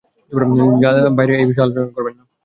বাইরে এই বিষয়ে আলোচনা করবেন না।